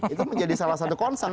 itu menjadi salah satu concern